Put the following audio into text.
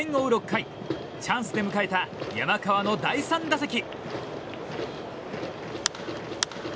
６回チャンスで迎えた山川の第３打席。